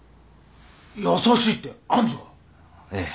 優しいって愛珠が？ええ。